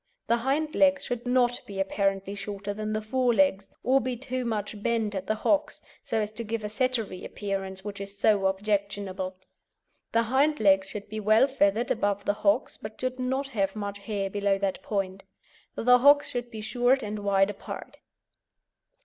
The hind legs should not be apparently shorter than the fore legs, or be too much bent at the hocks, so as to give a Settery appearance which is so objectionable. The hind legs should be well feathered above the hocks, but should not have much hair below that point. The hocks should be short and wide apart.